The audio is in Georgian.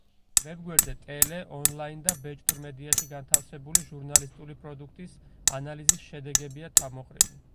ვებგვერდზე ტელე, ონლაინ და ბეჭდურ მედიაში განთავსებული ჟურნალისტური პროდუქტის ანალიზის შედეგებია თავმოყრილი.